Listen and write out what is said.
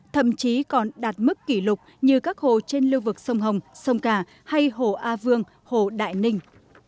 thậm chí còn đạt mức kỷ lục như các hồ trên lưu vực sông hồng sông cà hay hồ a vương hồ đại ninh